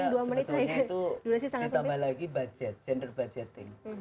kalau saya sebetulnya itu ditambah lagi budget gender budgeting